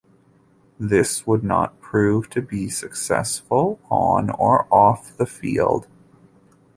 This would not prove to be successful, on or off the field.